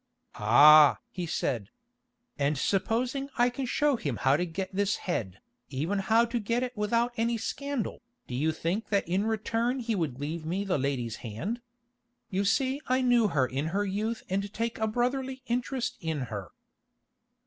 "Ah!" he said. "And supposing I can show him how to get this head, even how to get it without any scandal, do you think that in return he would leave me the lady's hand? You see I knew her in her youth and take a brotherly interest in her."